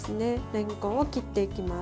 れんこんを切っていきます。